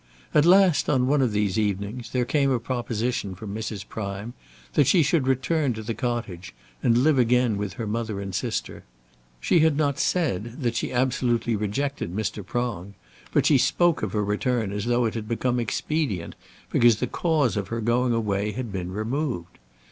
At last, on one of these evenings, there came a proposition from Mrs. Prime that she should return to the cottage, and live again with her mother and sister. She had not said that she had absolutely rejected Mr. Prong, but she spoke of her return as though it had become expedient because the cause of her going away had been removed.